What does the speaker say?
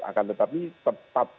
akan tetapi tetap